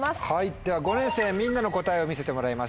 では５年生みんなの答えを見せてもらいましょう。